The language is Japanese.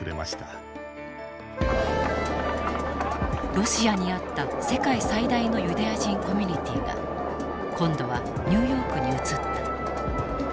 ロシアにあった世界最大のユダヤ人コミュニティーが今度はニューヨークに移った。